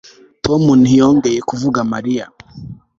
Tom ntiyongeye kuvuga Mariya